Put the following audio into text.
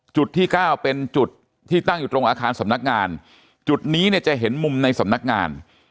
จุดที่เก้าเป็นจุดที่ตั้งอยู่ตรงอาคารสำนักงานจุดนี้เนี่ยจะเห็นมุมในสำนักงาน